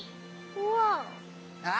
うわ。